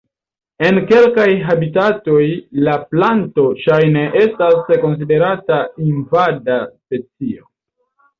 En kelkaj habitatoj la planto ŝajne estas konsiderata invada specio.